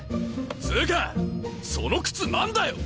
つうかその靴何だよ！